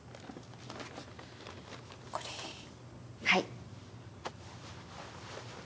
はい。